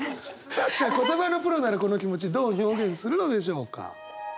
じゃあ言葉のプロならこの気持ちどう表現するのでしょうか。